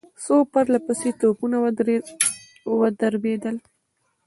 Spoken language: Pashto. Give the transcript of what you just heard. څو پرله پسې توپونه ودربېدل.